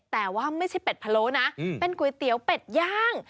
แต่ว่าไม่ใช่เป็ดพะโล้นะเป็นก๋วยเตี๋ยวเป็ดย่าง